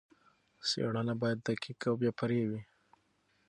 څېړنه باید دقیق او بې پرې وي.